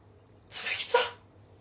摘木さん！